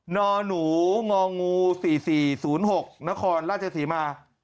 นหนูงงู๔๔๐๖นรสิมา